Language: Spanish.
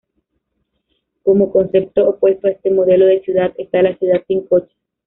Como concepto opuesto a este modelo de ciudad está la ciudad sin coches.